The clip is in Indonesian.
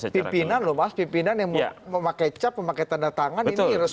pimpinan loh mas pimpinan yang memakai cap memakai tanda tangan ini resmi